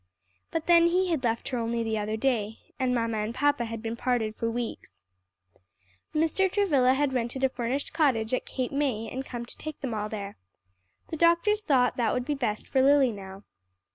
But then he had left her only the other day, and mamma and papa had been parted for weeks." Mr. Travilla had rented a furnished cottage at Cape May and come to take them all there. The doctors thought that would be best for Lily now.